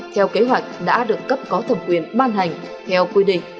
theo kế hoạch đã được cấp có thẩm quyền ban hành theo quy định